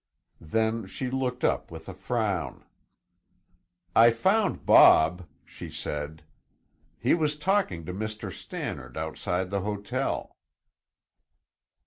Then she looked up with a frown. "I found Bob," she said. "He was talking to Mr. Stannard outside the hotel."